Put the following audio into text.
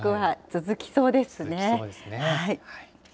続きそうですね。